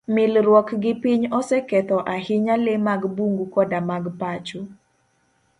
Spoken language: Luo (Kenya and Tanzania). Milruok gi piny oseketho ahinya le mag bungu koda mag pacho.